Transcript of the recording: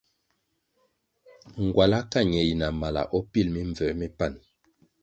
Ngwala ka ñe yi na mala o pil mimbvū mi pan.